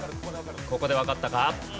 ここでわかったか？